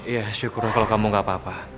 iya syukurlah kalau kamu gak apa apa